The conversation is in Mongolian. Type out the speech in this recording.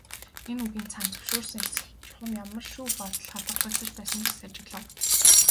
Энэ үгийн цаана зөвшөөрсөн эсэх, чухам ямар шүү бодол хадгалагдаж байсныг эс ажиглав.